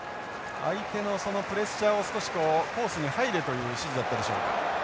相手のそのプレッシャーを少しこうコースに入れという指示だったでしょうか。